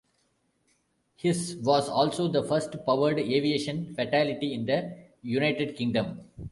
His was also the first powered aviation fatality in the United Kingdom.